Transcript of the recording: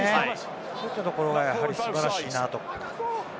そういったところが素晴らしいなと思います。